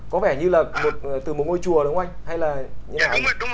có vẻ như là từ một ngôi chùa đúng không anh